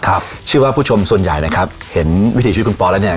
ครับชื่อว่าผู้ชมส่วนใหญ่นะครับเห็นวิถีชีวิตคุณปอแล้วเนี่ย